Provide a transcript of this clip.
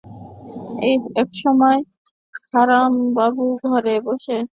এমন সময় হারানবাবু ঘরে প্রবেশ করিয়া সুচরিতার পাশে একটা চৌকি টানিয়া বসিলেন।